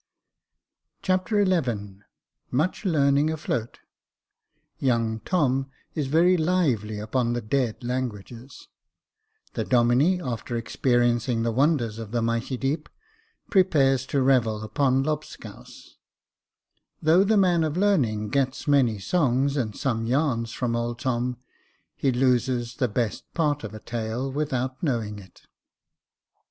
Chapter XI Much learning afloat — Young Tom is very lively upon the dead languages — The Domine, after experiencing the wonders of the mighty deep, prepares to revel upon lobscouse — Though the man of learning gets many songs and some yarns from Old Tom, he loses the best part of a tale with out knowing it.